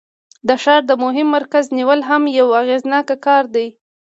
د ښار د مهم مرکز نیول هم یو اغیزناک کار دی.